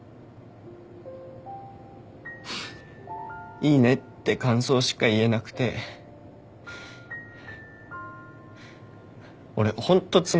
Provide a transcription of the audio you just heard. いいねって感想しか言えなくて俺ホントつまんないから。